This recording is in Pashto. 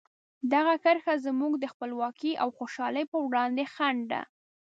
دغه کرښه زموږ د خپلواکۍ او خوشحالۍ په وړاندې خنډ ده.